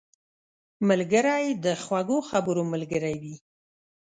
ملګری د خوږو خبرو ملګری وي